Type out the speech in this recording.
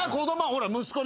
ほら息子に。